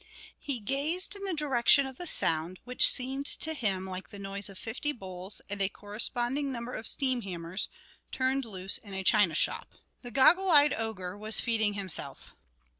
He gazed in the direction of the sound, which seemed to him like the noise of fifty bulls and a corresponding number of steam hammers turned loose in a china shop. The goggle eyed ogre was feeding himself.